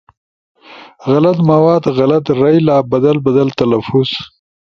غلط مواد، غلط رئیلا، بدل بدل تلفظ